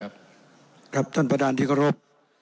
สวัสดีครับครับท่านประดานธีครพ